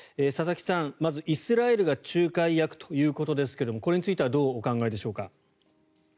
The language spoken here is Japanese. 佐々木さん、まずイスラエルが仲介役ということですがこれについてはどうお考えでしょうか？